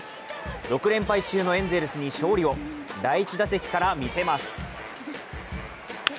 ６連敗中のエンゼルスに勝利を、第１打席から見せます。